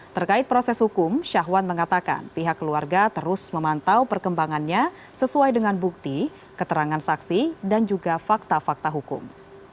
terkait proses hukum syahwan mengatakan pihak keluarga terus memantau perkembangannya sesuai dengan bukti keterangan saksi dan juga fakta fakta hukum